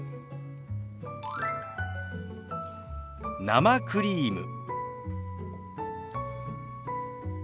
「生クリーム」。